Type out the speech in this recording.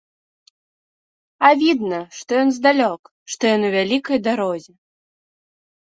А відно, што ён здалёк, што ён у вялікай дарозе.